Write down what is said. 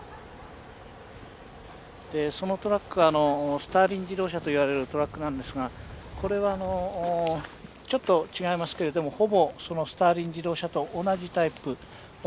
そのトラックはスターリン自動車といわれるトラックなんですがこれはあのちょっと違いますけれどもほぼスターリン自動車と同じタイプ同じ大きさのトラックです。